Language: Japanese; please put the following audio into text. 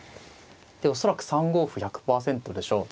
で恐らく３五歩１００％でしょう。